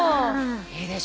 いいでしょ？